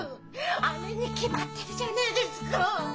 姉に決まってるじゃねえですか！